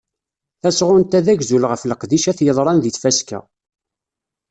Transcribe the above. Tasɣunt-a d agzul ɣef leqdicat yeḍran deg tfaska.